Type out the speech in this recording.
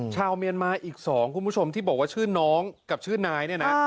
ชาวเมียนมาอีก๒คุณผู้ชมที่บอกว่าชื่อน้องกับชื่อนายเนี่ยนะ